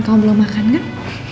kamu belum makan kan